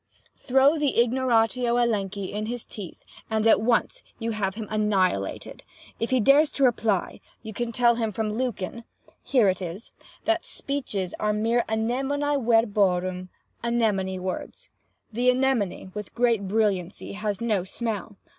Throw the ignoratio elenchi in his teeth, and, at once, you have him annihilated. If he dares to reply, you can tell him from Lucan (here it is) that speeches are mere anemonae verborum, anemone words. The anemone, with great brilliancy, has no smell.